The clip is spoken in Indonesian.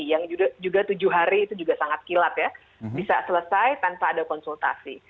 yang juga tujuh hari itu juga sangat kilat ya bisa selesai tanpa ada konsultasi